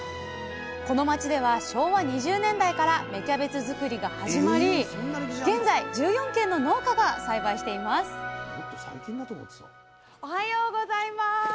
この町では昭和２０年代から芽キャベツ作りが始まり現在１４軒の農家が栽培していますおはようございます。